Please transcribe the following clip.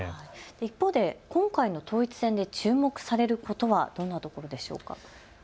一方で今回の統一選で注目されることはどんなところでしょうか。